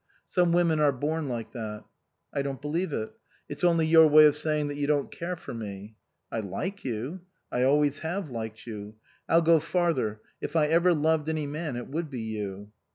Some women are born like that." " I don't believe it. It's only your way of say ing that you don't care for me." " I like you. I always have liked you. Ill go farther if I ever loved any man it would be you."